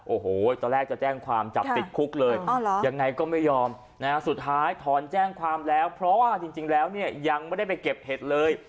โอ้โหตอนแรกจะแจ้งความจับติดคุกเลยยังไงก็ไม่ยอมนะฮะสุดท้ายถอนแจ้งความแล้วเพราะว่าจริงแล้วเนี่ยยังไม่ได้ไปเก็บเห็ดเลย